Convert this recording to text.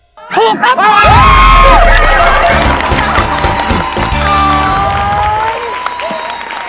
ถูกครับ